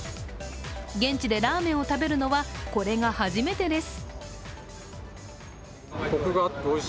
現地でラーメンを食べるのはこれが初めてです。